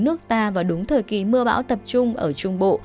nước ta vào đúng thời kỳ mưa bão tập trung ở trung bộ